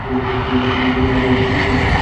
তিনি যথাসময়ে মাঠে উপস্থিত হয়েছেন।